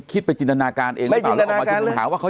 คิดไปจินตนาการเองรึเปล่า